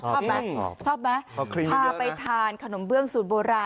ชอบไหมชอบไหมพาไปทานขนมเบื้องสูตรโบราณ